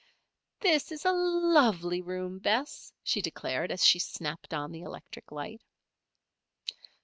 "This is a lovely room, Bess," she declared, as she snapped on the electric light.